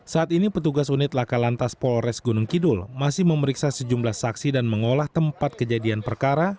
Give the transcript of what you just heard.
saat ini petugas unit laka lantas polres gunung kidul masih memeriksa sejumlah saksi dan mengolah tempat kejadian perkara